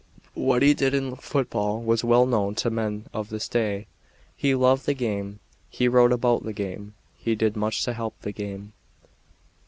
What he did in football is well known to men of his day. He loved the game; he wrote about the game; he did much to help the game.